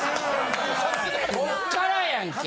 こっからやんけ！